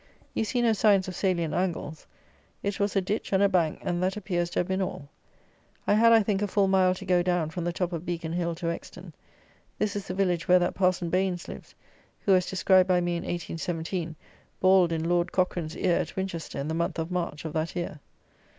You see no signs of salliant angles. It was a ditch and a bank, and that appears to have been all. I had, I think, a full mile to go down from the top of Beacon Hill to Exton. This is the village where that Parson Baines lives who, as described by me in 1817, bawled in Lord Cochrane's ear at Winchester in the month of March of that year.